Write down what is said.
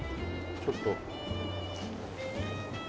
ちょっと。